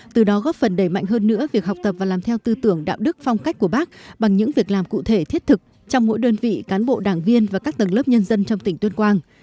từ đó góp phần đẩy mạnh hơn nữa việc học tập và làm theo tư tưởng đạo đức phong cách của bác bằng những việc làm cụ thể thiết thực trong mỗi đơn vị cán bộ đảng viên và các tầng lớp nhân dân trong tỉnh tuyên quang